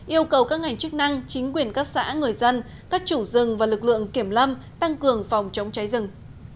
yêu cầu các ngành chức năng chính quyền các xã người dân các chủ rừng và lực lượng kiểm lâm tăng cường phòng chống cháy rừng